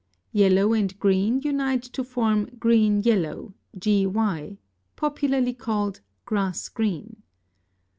Yellow and green unite to form green yellow (GY), popularly called grass green.